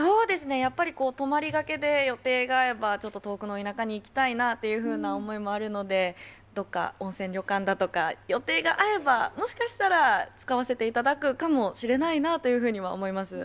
やっぱり泊りがけで予定が合えば、ちょっと遠くの田舎に行きたいなという思いもあるので、どっか温泉旅館だとか、予定が合えばもしかしたら、使わせていただくかもしれないなというふうには思います。